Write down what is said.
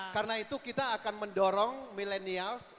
karena itu kita akan mendorong millennials